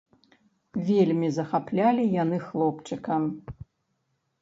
Вельмі захаплялі яны хлопчыка.